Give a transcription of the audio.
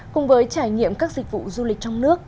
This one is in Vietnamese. cùng với trải nghiệm các dịch vụ du lịch trong nước